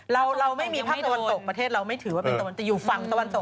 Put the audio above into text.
เราเราไม่มีภาคตะวันตกประเทศเราไม่ถือว่าเป็นตะวันตกอยู่ฝั่งตะวันตก